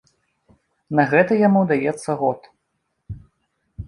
На гэта яму даецца год.